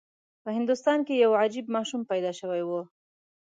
په هندوستان کې یو عجیب ماشوم پیدا شوی و.